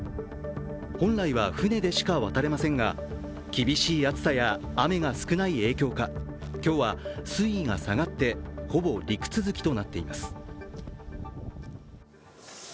本来は船でしか渡れませんが厳しい暑さや雨が少ない影響か今日は水位が下がってほぼ陸続きとなっています。